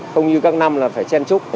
không như các năm là phải chen chúc